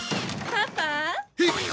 パパ。